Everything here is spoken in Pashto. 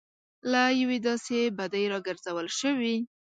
له یوې داسې بدۍ راګرځول شوي.